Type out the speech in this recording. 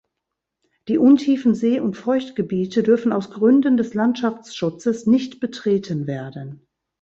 Die untiefen See- und Feuchtgebiete dürfen aus Gründen des Landschaftsschutzes nicht betreten werden.